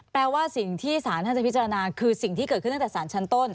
แปลว่าสิ่งที่ศาลท่านจะพิจารณาคือสิ่งที่เกิดขึ้นตั้งแต่สารชั้นต้น